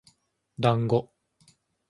だんご